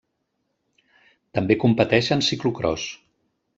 També competeix en ciclocròs.